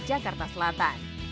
di jakakarsa jakarta selatan